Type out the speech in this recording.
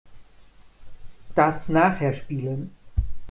Das nachher spielen.